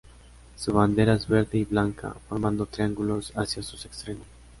Su bandera es verde y blanca formando triángulos hacia sus extremos.